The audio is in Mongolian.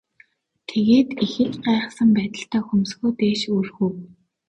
Тэгээд ихэд гайхсан байдалтай хөмсгөө дээш өргөв.